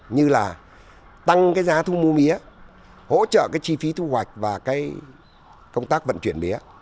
như là tăng giá thu mua mía hỗ trợ chi phí thu hoạch và công tác vận chuyển mía